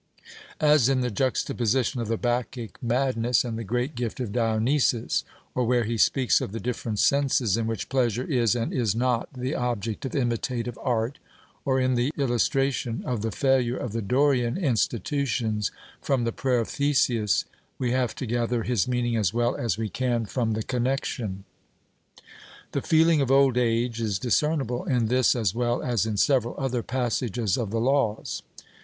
As in the juxtaposition of the Bacchic madness and the great gift of Dionysus, or where he speaks of the different senses in which pleasure is and is not the object of imitative art, or in the illustration of the failure of the Dorian institutions from the prayer of Theseus, we have to gather his meaning as well as we can from the connexion. The feeling of old age is discernible in this as well as in several other passages of the Laws.